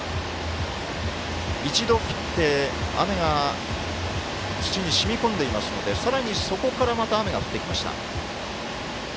一度降って雨が土にしみこんでいますのでさらに、そこからまた雨が降ってきました。